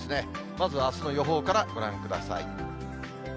まず、あすの予報からご覧ください。